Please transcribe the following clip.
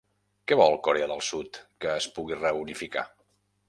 Què vol Corea del sud que es pugui reunificar?